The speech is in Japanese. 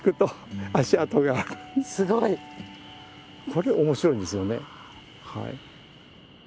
これ面白いんですよね。